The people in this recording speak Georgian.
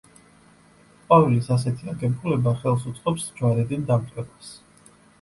ყვავილის ასეთი აგებულება ხელს უწყობს ჯვარედინ დამტვერვას.